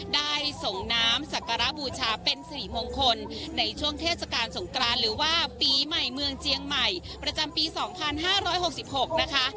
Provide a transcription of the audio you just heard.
ได้ส่งน้ำสักการะบูชาเป็นสิริมงคลในช่วงเทศกาลสงกรานหรือว่าปีใหม่เมืองเจียงใหม่ประจำปี๒๕๖๖นะคะ